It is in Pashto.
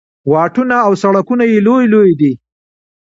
واټونه او سړکونه یې لوی لوی دي.